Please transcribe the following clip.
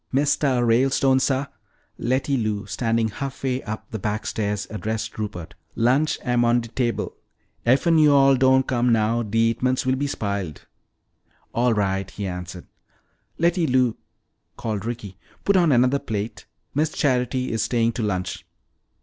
"Mistuh Ralestone, suh," Letty Lou, standing half way up the back stairs, addressed Rupert, "lunch am on de table. Effen yo'all doan come now, de eatments will be spiled." "All right," he answered. "Letty Lou," called Ricky, "put on another plate. Miss Charity is staying to lunch."